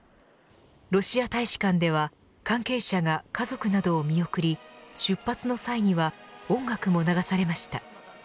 ロシア大使館では関係者が家族などを見送り出発の際には音楽も流されました。